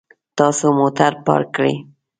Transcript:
تاسو موټر پارک کړئ